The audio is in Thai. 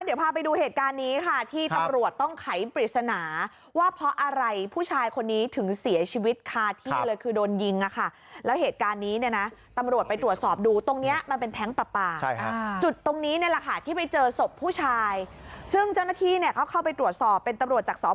เดี๋ยวพาไปดูเหตุการณ์นี้ค่ะที่ตำรวจต้องไขปริศนาว่าเพราะอะไรผู้ชายคนนี้ถึงเสียชีวิตคาที่เลยคือโดนยิงอ่ะค่ะแล้วเหตุการณ์นี้เนี่ยนะตำรวจไปตรวจสอบดูตรงเนี้ยมันเป็นแท้งปลาปลาจุดตรงนี้เนี่ยแหละค่ะที่ไปเจอศพผู้ชายซึ่งเจ้าหน้าที่เนี่ยก็เข้าไปตรวจสอบเป็นตำรวจจากส